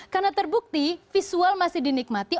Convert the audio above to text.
karena terbukti visual masih dinikmati